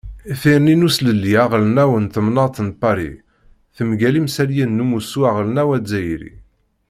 Tirni n uslelli aɣelnaw n temnaḍt n Pari mgal imssaliyen n Umussu aɣelnaw azzayri.